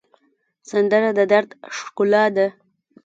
سندره د دَرد ښکلا ده